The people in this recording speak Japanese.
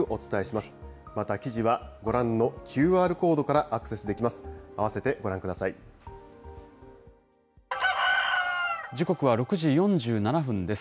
また記事はご覧のＱＲコードからアクセスできます。